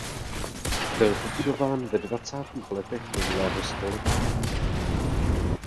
Byl vybudován ve dvacátých letech minulého století.